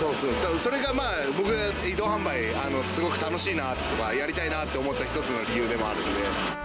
それが、僕が移動販売、すごく楽しいなとか、やりたいなと思った一つの理由でもあるんで。